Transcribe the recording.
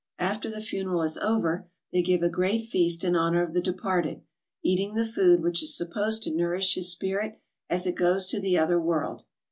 After the funeral is over they give a great feast in honour of the departed, eating the food which is supposed to nourish his spirit as it goes to the other world.